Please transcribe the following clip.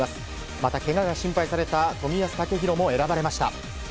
また、けがが心配された冨安健洋も選ばれました。